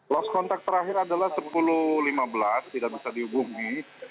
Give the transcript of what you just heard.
lost contact terakhir adalah sepuluh lima belas tidak bisa dihubungi